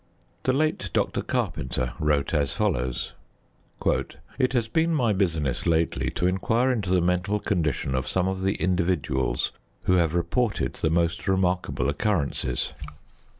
The late Dr. Carpenter wrote as follows: It has been my business lately to inquire into the mental condition of some of the individuals who have reported the most remarkable occurrences.